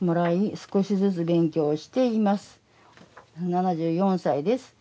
「７４歳です。